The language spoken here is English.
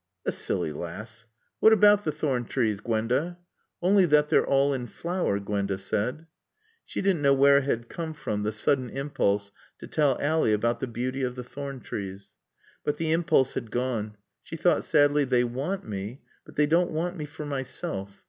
"Tha silly laass! " "What about the thorn trees, Gwenda?" "Only that they're all in flower," Gwenda said. She didn't know where it had come from, the sudden impulse to tell Ally about the beauty of the thorn trees. But the impulse had gone. She thought sadly, "They want me. But they don't want me for myself.